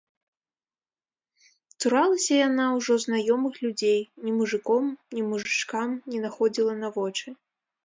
Цуралася яна ўжо знаёмых людзей, ні мужыком, ні мужычкам не находзіла на вочы.